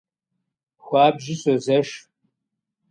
Хуабжьу созэш…